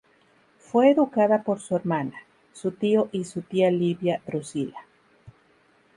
Fue educada por su hermana, su tío y su tía Livia Drusila.